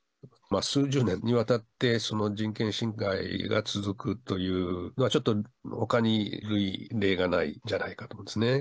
数十年にわたって、その人権侵害が続くという、ちょっとほかに類例がないんじゃないかと思うんですね。